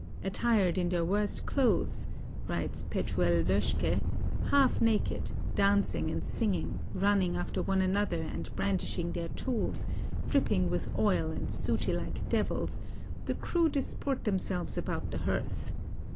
"Attired in their worst clothes," writes Pechuel Loeschke, "half naked, dancing and singing, running after one another and brandishing their tools, dripping with oil and sooty like devils, the crew disport themselves about the hearth.